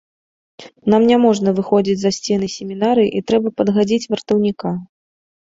Нам няможна выходзіць за сцены семінарыі і трэба падгадзіць вартаўніка.